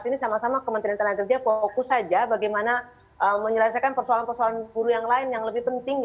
ini sama sama kementerian tenaga kerja fokus saja bagaimana menyelesaikan persoalan persoalan buruh yang lain yang lebih penting